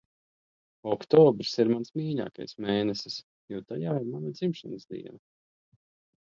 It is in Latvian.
Oktobris ir mans mīļākais mēnesis, jo tajā ir mana dzimšanas diena.